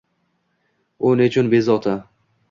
U nechun bezovta?